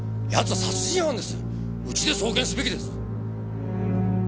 奴は殺人犯ですうちで送検すべきです。